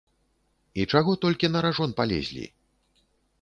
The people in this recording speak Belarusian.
І чаго толькі на ражон палезлі?